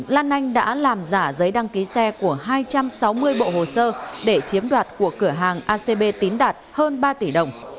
lan anh đã làm giả giấy đăng ký xe của hai trăm sáu mươi bộ hồ sơ để chiếm đoạt của cửa hàng acb tín đạt hơn ba tỷ đồng